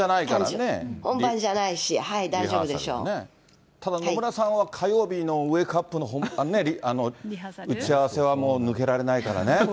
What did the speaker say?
本番じゃないし、大丈夫でしただ野村さんは、火曜日のウェークアップの本番の打ち合わせは抜けられないからね。